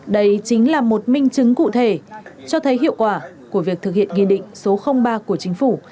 đây chính là một minh chứng cụ thể cho thấy hiệu quả của việc thực hiện nghị định số ba của chính phủ